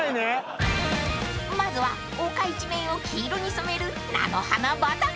［まずは丘一面を黄色に染める菜の花畑］